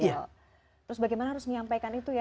terus bagaimana harus menyampaikan itu ya